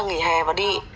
nghỉ hè và đi